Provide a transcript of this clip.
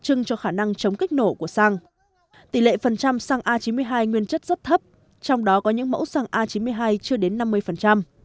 chương cho tỷ lệ phần trăm xăng a chín mươi hai nguyên chất rất thấp trong đó có những mẫu xăng a chín mươi hai chưa đến năm mươi